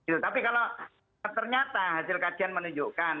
tapi kalau ternyata hasil kajian menunjukkan